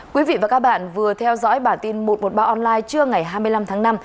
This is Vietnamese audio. quý vị và các bạn vừa theo dõi bản tin một trăm một mươi ba online trưa ngày hai mươi năm tháng năm